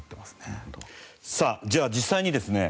さあじゃあ実際にですね